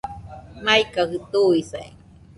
Maikajɨ tuisai